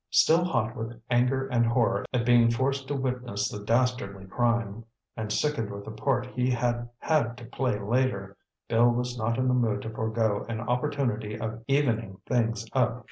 Still hot with anger and horror at being forced to witness the dastardly crime, and sickened with the part he had had to play later, Bill was not in the mood to forego an opportunity of evening things up.